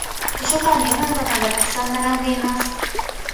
図書館に本棚がたくさん並んでいます。